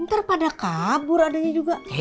ntar pada kabur adanya juga